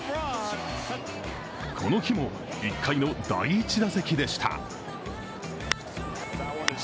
この日も１回の第１打席でした。